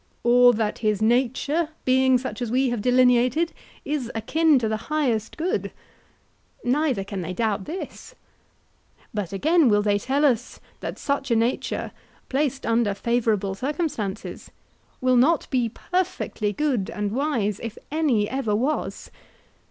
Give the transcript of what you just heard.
Or that his nature, being such as we have delineated, is akin to the highest good? Neither can they doubt this. But again, will they tell us that such a nature, placed under favourable circumstances, will not be perfectly good and wise if any ever was?